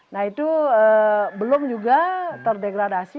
nah itu belum juga terdegradasi